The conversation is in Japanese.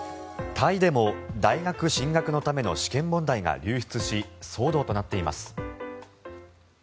タイでも大学進学のための試験問題が流出し騒動となっています。